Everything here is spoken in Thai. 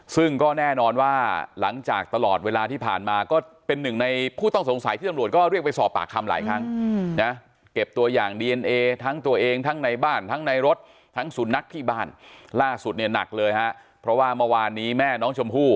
ซึ่งก็แน่นอนว่าหลังจากตลอดเวลาที่ผ่านมาก็เป็นหนึ่งในผู้ต้องสงสัยที่ตำรวจก็เรียกไปสอบปากคำหลายครั้ง